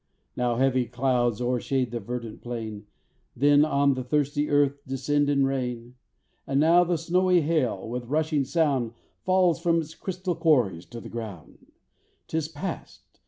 Now heavy clouds o'ershade the verdant plain, Then on the thirsty earth descend in rain; And now the snowy hail, with rushing sound Falls from its crystal quarries to the ground. 'Tis past!